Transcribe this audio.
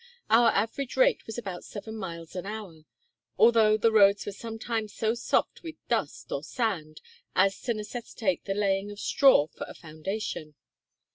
Our average rate was about seven miles an hour, although the roads were sometimes so soft with dust or sand as to necessitate the laying of straw for a foundation.